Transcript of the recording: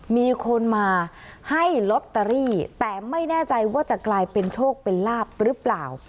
มีคนมาให้ลอตเตอรี่แต่ไม่แน่ใจว่าจะกลายเป็นโชคเป็นลาบหรือเปล่า